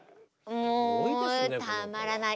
もうたまらない。